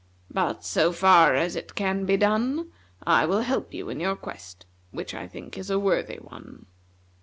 But, so far as it can be done, I will help you in your quest, which I think is a worthy one.